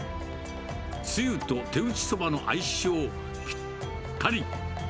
つゆと手打ちそばの相性ぴったり。